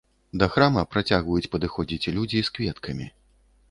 Да храма працягваюць падыходзіць людзі з кветкамі.